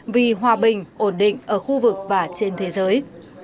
vì hòa bình ổn định ở khu vực và trên thế giới